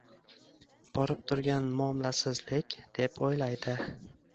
Borib turgan muomalasizlik», — deb o'ylaydi.